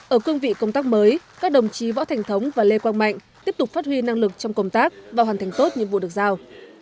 ở cương vị công tác mới các đồng chí võ thành thống và lê quang mạnh tiếp tục phát huy năng lực trong công tác và hoàn thành tốt nhiệm vụ được giao